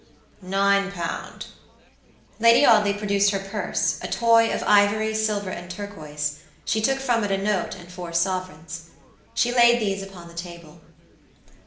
"Nine pound." Lady Audley produced her pursea toy of ivory, silver, and turquoiseshe took from it a note and four sovereigns. She laid these upon the table.